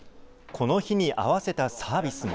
この日に合わせたサービスも。